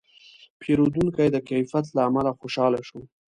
پیرودونکی د کیفیت له امله خوشاله شو.